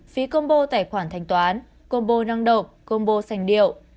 phí combo tài khoản thanh toán combo năng độc combo sành điệu